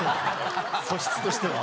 素質としては。